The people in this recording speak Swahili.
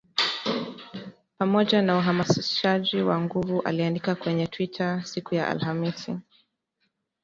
pamoja na uhamasishaji wa nguvu aliandika kwenye Twita siku ya Alhamisi